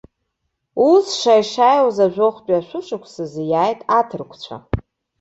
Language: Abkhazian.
Ус сшааи-шааиуаз, ажәохәтәи ашәышықәсазы, иааит аҭырқәцәа.